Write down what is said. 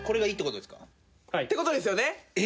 はい。ってことですよね。